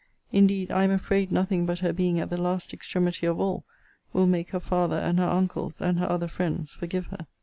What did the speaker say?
Indeed I am afraid nothing but her being at the last extremity of all will make her father, and her uncles, and her other friends, forgive her.